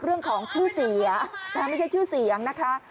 เรื่องของชื่อเสียไม่ใช่ชื่อเสียงนะคะ